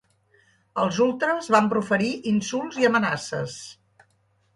Els ultres van proferir insults i amenaces.